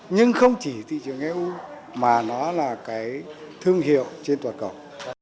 nhưng không chỉ thị trường eu mà nó là cái thương hiệu trên toàn cầu